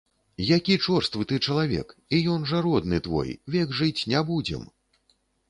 Які чорствы ты чалавек, і ён жа родны твой, век жыць не будзем.